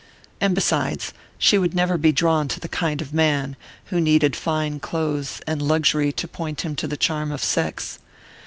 And besides, she would never be drawn to the kind of man who needed fine clothes and luxury to point him to the charm of sex.